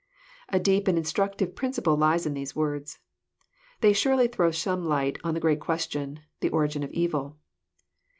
A deep and instructive principle lies in these words. They snrely throw some light on that great question, — the origin of evil.